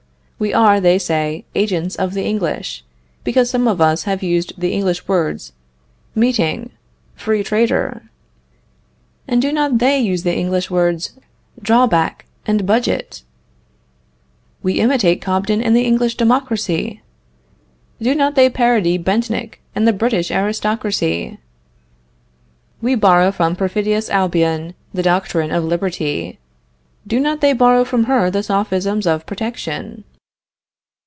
We are, they say, agents of the English, because some of us have used the English words meeting, free trader! And do not they use the English words drawback and budget? We imitate Cobden and the English democracy! Do not they parody Bentinck and the British aristocracy? We borrow from perfidious Albion the doctrine of liberty. Do not they borrow from her the sophisms of protection?